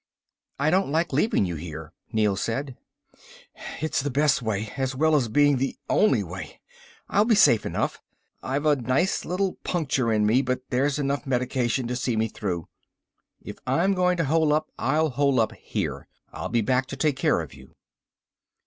"I don't like leaving you here," Neel said. "It's the best way, as well as being the only way. I'll be safe enough. I've a nice little puncture in me, but there's enough medication to see me through." "If I'm going to hole up, I'll hole up here. I'll be back to take care of you."